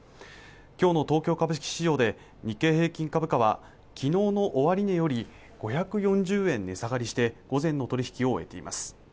きょうの東京株式市場で日経平均株価はきのうの終値より５４０円値下がりして午前の取り引きを終えています